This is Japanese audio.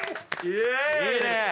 いいね。